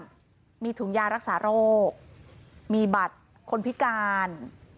ถุงยารักษาโรคมีบัตรคนพิการ